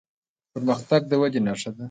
پرمختګ د ودې نښه ده.